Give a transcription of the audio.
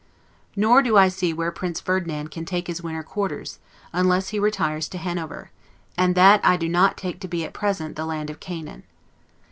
Nor do I see where Prince Ferdinand can take his winter quarters, unless he retires to Hanover; and that I do not take to be at present the land of Canaan.